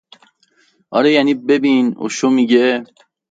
آره، یعنی ببین اوشو می گه